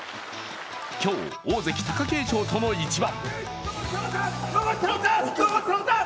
今日、大関・貴景勝との一番。